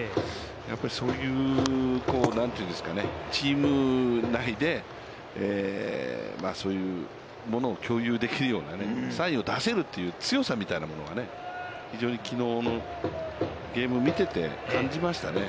やっぱりそういうチーム内で、そういうものを共有できるようなサインを出せるという強さみたいなものが、非常にきのうのゲームを見てて感じましたね。